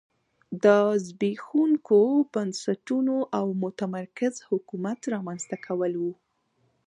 د زبېښونکو بنسټونو او متمرکز حکومت رامنځته کول و